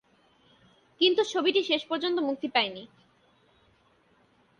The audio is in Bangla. কিন্তু ছবিটি শেষ পর্যন্ত মুক্তি পায়নি।